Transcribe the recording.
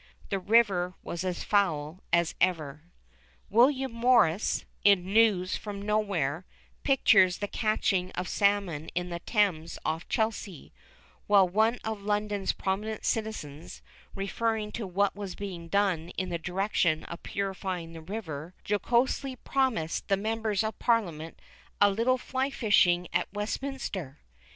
The river was as foul as ever. William Morris, in News from Nowhere, pictures the catching of salmon in the Thames off Chelsea, while one of London's prominent citizens, referring to what was being done in the direction of purifying the river, jocosely promised the members of Parliament a little fly fishing at Westminster.